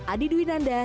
adi dwi nanda